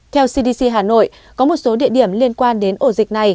theo cdc hà nội có một số địa điểm liên quan đến ổ dịch này